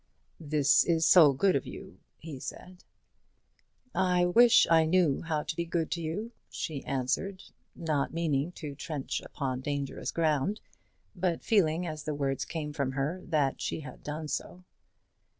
"This is so good of you," he said. "I wish I knew how to be good to you," she answered, not meaning to trench upon dangerous ground, but feeling, as the words came from her, that she had done so.